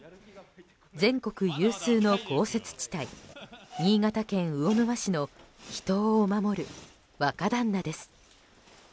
全国有数の豪雪地帯新潟県魚沼市の秘湯を守る若旦那です。